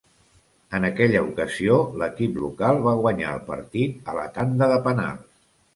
En aquella ocasió, l'equip local va guanyar el partit a la tanda de penals.